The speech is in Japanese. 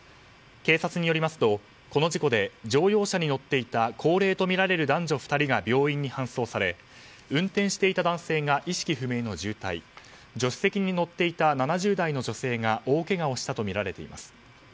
警察によりますと、この事故で乗用車に乗っていた高齢とみられる男女２人が病院に搬送され運転していた男性が意識不明の重体助手席に乗っていた７０代の女性が大けがをしたとみられています。